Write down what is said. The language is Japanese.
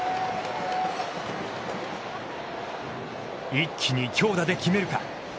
一気に強打で決めるか。